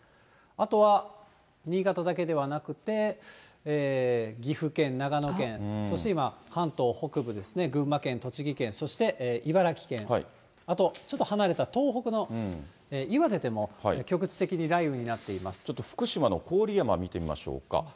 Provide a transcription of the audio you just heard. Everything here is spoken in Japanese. あとは、新潟だけではなくて、岐阜県、長野県、そして今、関東北部ですね、群馬県、栃木県、そして茨城県、あとちょっと離れた東北の岩手でも、ちょっと福島の郡山、見てみましょうか。